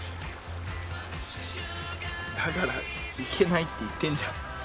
だから行けないって言ってんじゃん。